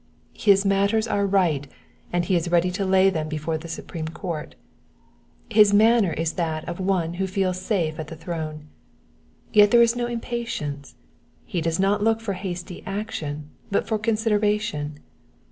His matters are right, and he is ready to lay them ■before the supreme court. His manner is that of one who feels safe at the throne. Tet there is no impatience : he does not ask for hasty action, but for consideration.